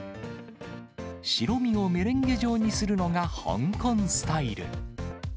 白身をメレンゲ状にするのが香港スタイル。